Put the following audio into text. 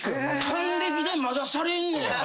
還暦でまだされんねや。